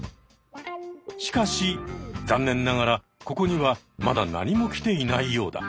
しかし残念ながらここにはまだ何も来ていないようだ。